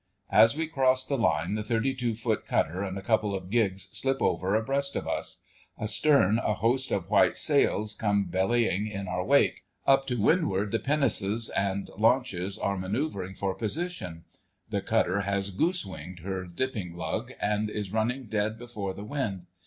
As we cross the line the 32 ft. cutter and a couple of gigs slip over abreast of us; astern a host of white sails come bellying in our wake; up to windward the pinnaces and launches are manoeuvring for positions. The cutter has "goose winged" her dipping lug and is running dead before the wind.